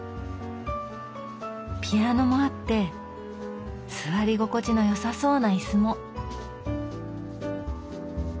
ピアノもあって座り心地のよさそうな椅子も。